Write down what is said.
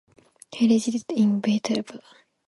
He resided in Viterbo.